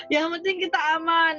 yang penting kita aman